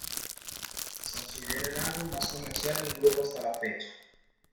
Se considera el álbum más comercial del grupo hasta la fecha.